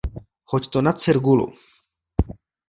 Hoď to na cirgulu.